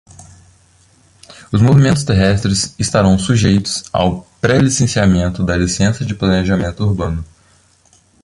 Os movimentos terrestres estarão sujeitos ao pré-licenciamento da licença de planejamento urbano.